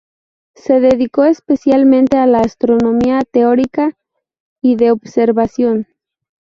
Se dedicó especialmente a la astronomía teórica y de observación.